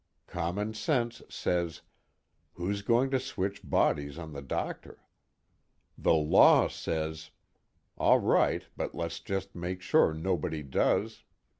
Common sense says: Who's going to switch bodies on the doctor? The law says: All right, but let's just make sure nobody does.